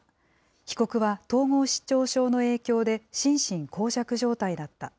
被告は統合失調症の影響で、心神耗弱状態だった。